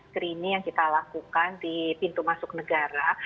screening yang kita lakukan di pintu masuk negara